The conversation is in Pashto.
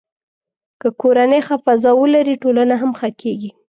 که کورنۍ ښه فضا ولري، ټولنه هم ښه کېږي.